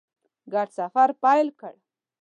ګډ سفر پیل کړ.